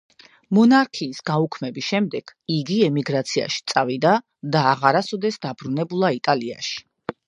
მონარქიის გაუქმების შემდეგ იგი ემიგრაციაში წავიდა და აღარასოდეს დაბრუნებულა იტალიაში.